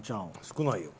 少ないよ。